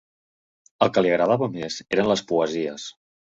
El que li agradava més eren les poesies